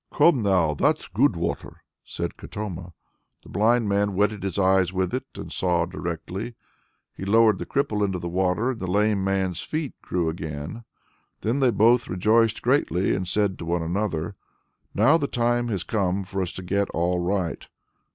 "Come now, that's good water!" said Katoma. The blind man wetted his eyes with it, and saw directly. He lowered the cripple into the water, and the lame man's feet grew again. Then they both rejoiced greatly, and said to one another, "Now the time has come for us to get all right!